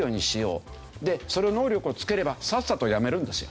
でその能力をつければさっさと辞めるんですよ。